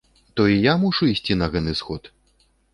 То і я мушу ісці на гэны сход?